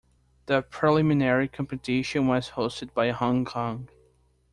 The Preliminary Competition was hosted by Hong Kong.